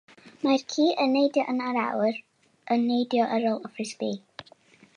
Mae'r ci yn neidio yn yr awyr yn neidio ar ôl y ffrisbi.